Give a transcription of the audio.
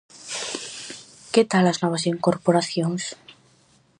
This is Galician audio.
Que tal as novas incorporacións?